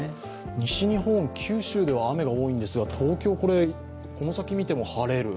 西日本、九州では雨が多いんですが東京、この先見ても、晴れる。